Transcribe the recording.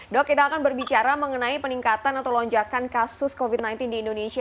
dok kita akan berbicara mengenai peningkatan atau lonjakan kasus covid sembilan belas di indonesia